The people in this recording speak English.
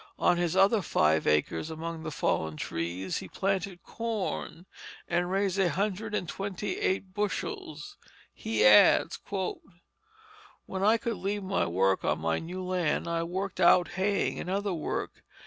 On his other five acres among the fallen trees he planted corn, and raised a hundred and twenty eight bushels. He adds: "When I could leave my work on my new land I worked out haying and other work.